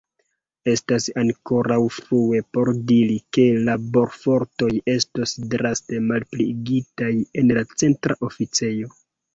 Estas ankoraŭ frue por diri, ke laborfortoj estos draste malpliigitaj en la Centra Oficejo.